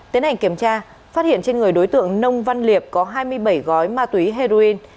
tiến hành kiểm tra phát hiện trên người đối tượng nông văn liệp có hai mươi bảy gói ma túy heroin